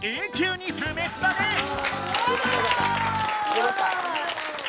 よかった。